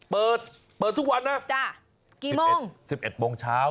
เปิดเปิดทุกวันนะจ้ะกี่โมงสิบเอ็ดสิบเอ็ดโมงเช้า